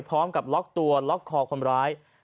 พร้อมกับล็อกตัวล็อกคอคนร้าย